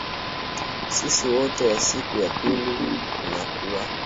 sisi wote wa siku ya pili kunyakua